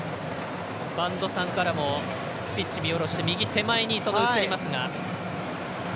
播戸さんからもピッチを見下ろして右手前に映りますが。